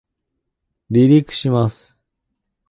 離陸します